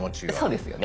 そうですよね。